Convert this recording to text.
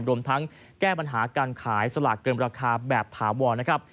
รวมทั้งแก้ปัญหาการขายสลากเกินราคาแบบถาวรนะครับ